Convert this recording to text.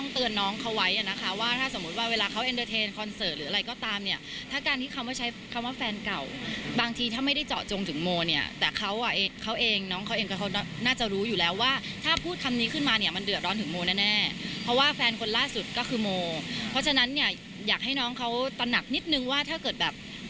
เพราะฉะนั้นเนี่ยอยากให้น้องเขาตะหนักนิดนึงว่าถ้าเกิดแบบ